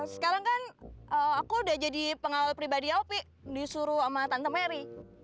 sekarang kan aku udah jadi pengawal pribadi alpi disuruh sama tante mary